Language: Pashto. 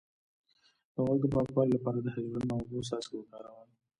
د غوږ د پاکوالي لپاره د هایدروجن او اوبو څاڅکي وکاروئ